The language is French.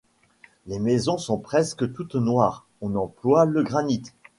Les maisons sont presque toutes noires : on emploie le granit.